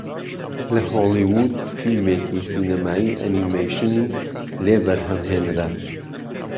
لە هۆڵیوود فیلمێکی سینەمایی ئەنیمەیشنی لێ بەرهەم هێنرا